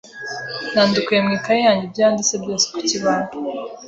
Nandukuye mu ikaye yanjye ibyo yanditse byose ku kibaho.